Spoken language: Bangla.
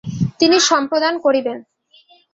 তিনি সম্প্রদান করিবেন।